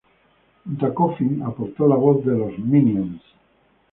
Junto a Coffin, aportó la voz de los "Minions".